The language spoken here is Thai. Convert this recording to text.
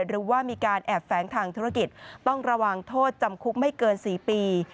หรือว่ามีการแอบแฝงทางธุรกิจต้องระวังโทษจำคุกไม่เกิน๔ปี